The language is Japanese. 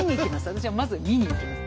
私はまず見に行きます。